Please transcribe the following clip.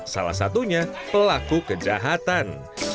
salah satunya pelaku kejahatan